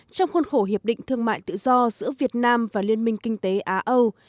trong khuôn khổ hiệp định thương mại tự do giữa việt nam và liên minh kinh tế á âu